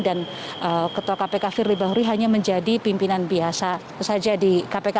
dan ketua kpk firly bahuri hanya menjadi pimpinan biasa saja di kpk